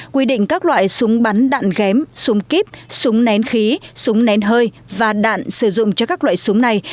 quy định các loại súng bắn đạn ghém súng kíp súng nén khí súng nén hơi và đạn sử dụng cho các loại súng này